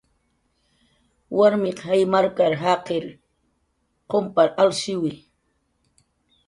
"Warmiq jaymarkat"" jaqir qumpar alshiwi"